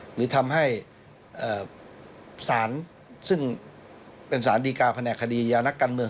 หรือทำให้ศาลซึ่งเป็นสารดีการแผนกคดียานักการเมือง